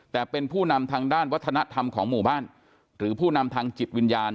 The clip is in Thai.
แต่เป็นผู้นำทางด้านวัฒนธรรมของหมู่บ้านหรือผู้นำทางจิตวิญญาณ